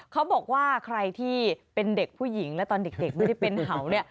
เขาบอกว่าใครที่เป็นเด็กผู้หญิงและตอนเด็กไม่ได้เป็นเห่าเนี่ย